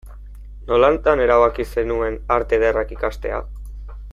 Nolatan erabaki zenuen Arte Ederrak ikastea?